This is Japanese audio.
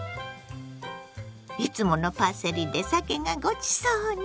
いつものパセリでさけがごちそうに。